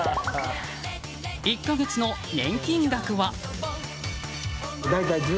１か月の年金額は。